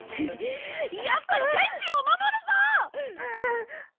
やっぱり決心を守るぞ！